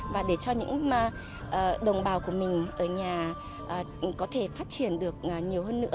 và để cho những đồng bào của mình ở nhà có thể phát triển được nhiều hơn nữa